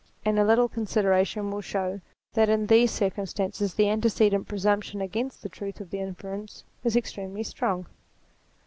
And a little consideration will show that in these circumstances the antecedent presumption against the truth of the inference is extremely strong.